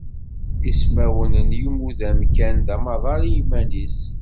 Ismawen n yiwudam kan d amaḍal i yiman-is.